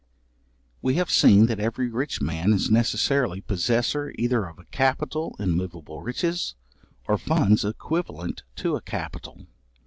We have seen that every rich man is necessarily possessor either of a capital in moveable riches, or funds equivalent to a capital.